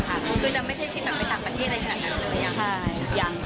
คือจะไม่ใช่ชิดไปต่างประเทศอะไรขนาดนั้นหรืออย่างนี้